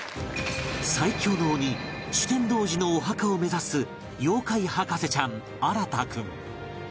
最強の鬼酒呑童子のお墓を目指す妖怪博士ちゃん創君